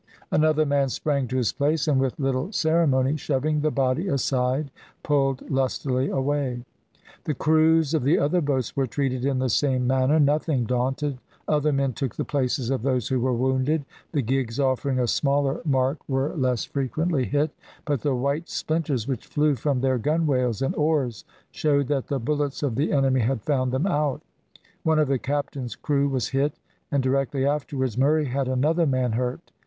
Another man sprang to his place and with little ceremony, shoving the body aside, pulled lustily away. The crews of the other boats were treated in the same manner. Nothing daunted, other men took the places of those who were wounded; the gigs offering a smaller mark were less frequently hit, but the white splinters which flew from their gunwales and oars showed that the bullets of the enemy had found them out; one of the captain's crew was hit, and directly afterwards Murray had another man hurt.